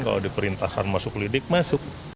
kalau diperintahkan masuk lidik masuk